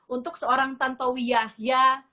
untuk seorang tantowi yahya